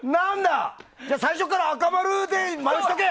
最初から赤丸で〇しとけ。